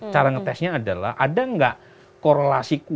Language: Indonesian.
cara ngetesnya adalah ada nggak korelasi